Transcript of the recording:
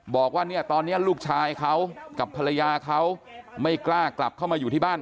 บอกว่าเนี่ยตอนนี้ลูกชายเขากับภรรยาเขาไม่กล้ากลับเข้ามาอยู่ที่บ้าน